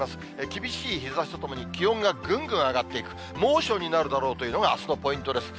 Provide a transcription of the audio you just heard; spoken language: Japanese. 厳しい日ざしとともに気温がぐんぐん上がっていく、猛暑になるだろうというのが、あすのポイントです。